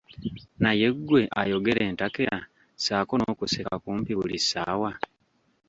Naye ggwe ayogera entakera, ssaako n'okuseka kumpi buli ssaawa.